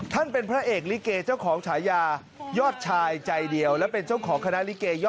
ท่านเป็นพระเอกลิเกเจ้าของฉายายอดชายใจเดียวและเป็นเจ้าของคณะลิเกย่อ